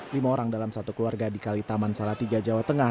lima orang dalam satu keluarga di kalitaman salatiga jawa tengah